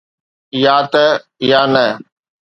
يا ته يا نه.